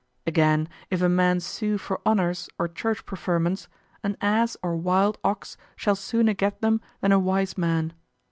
Again, if a man sue for honors or church preferments, an ass or wild ox shall sooner get them than a wise man.